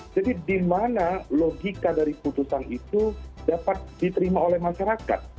jadi dimana logika dari putusan itu dapat diterima oleh masyarakat